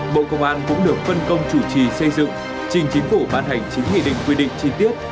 bộ công an cũng được phân công chủ trì xây dựng trình chính phủ ban hành chính nghị định quy định chi tiết